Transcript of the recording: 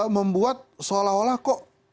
membuat seolah olah kok